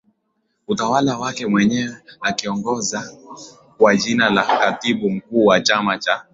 utawala wake mwenyewe akiongoza kwa jina la Katibu Mkuu wa chama cha